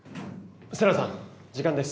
瀬那さん時間です。